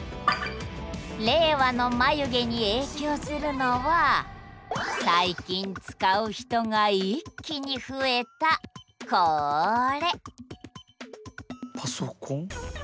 令和の眉毛に影響するのは最近使う人が一気に増えたコレパソコン？